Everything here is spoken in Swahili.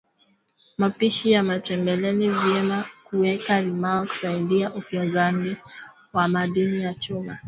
mapishi ya matembeleni vyema kuwekwa limao kusaidia ufyonzaji wa madini ya chuma